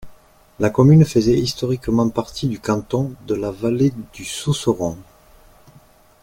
La commune faisait historiquement partie du canton de la Vallée-du-Sausseron.